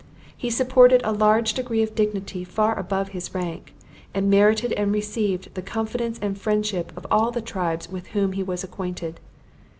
He supported a degree of dignity far above his rank, and merited and received the confidence and friendship of all the tribes with whom he was acquainted.